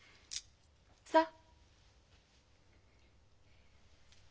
さあ。